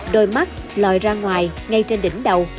đôi mắt lòi ra ngoài ngay trên đỉnh đầu